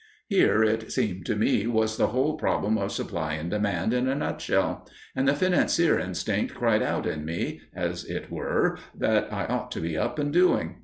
Here it seemed to me was the whole problem of supply and demand in a nutshell; and the financier instinct cried out in me, as it were, that I ought to be up and doing.